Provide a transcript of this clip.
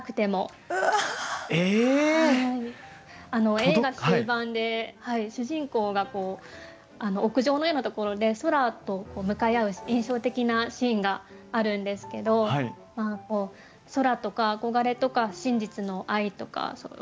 映画終盤で主人公が屋上のようなところで空と向かい合う印象的なシーンがあるんですけど空とか憧れとか真実の愛とか追い求めても届かない。